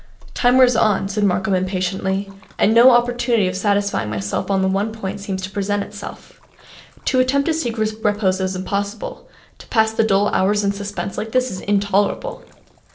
"Time wears on," said Markham impatiently; "and no opportunity of satisfying myself upon the one point seems to present itself. To attempt to seek repose is impossible; to pass the dull hours in suspense like this is intolerable!"